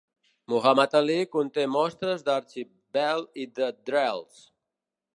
"Muhammad Ali" conté mostres d'Archie Bell i de The Drells.